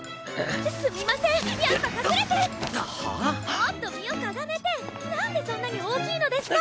もっと身をかがめて何でそんなに大きいのですか！